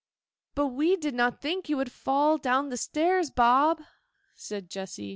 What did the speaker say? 'But we did not think you would fall down stairs, Bob,' said Jessy.